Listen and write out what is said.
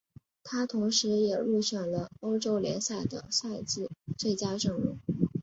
他同时也入选了欧洲联赛的赛季最佳阵容。